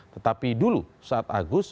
tetapi dulu saat agus